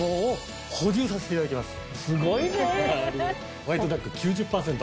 ホワイトダック９０％